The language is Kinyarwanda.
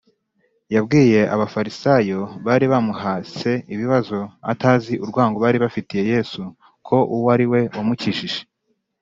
. Yabwiye Abafarisayo bari bamuhase ibibazo, atazi urwango bari bafitiye Yesu, ko uwo ari we wamukijije.